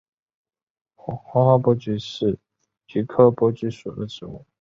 黄花珀菊是菊科珀菊属的植物。